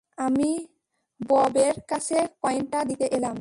আমি ববের কাছে কয়েনটা দিতে এলাম।